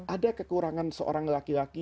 ada kekurangan seorang laki laki